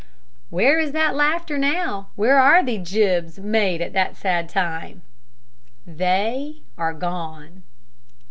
Where is that laughter now? Where are the gibes and bon mots made at that sad time? They are gone.